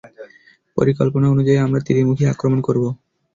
পরিকল্পনা অনুযায়ী আমরা ত্রিমুখী আক্রমণ করব।